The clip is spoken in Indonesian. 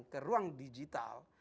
ke ruang digital